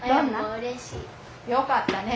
よかったね。